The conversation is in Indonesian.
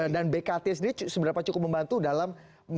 dan bkt sendiri seberapa cukup membantu dalam